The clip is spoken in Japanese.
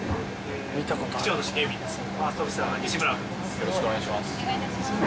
よろしくお願いします。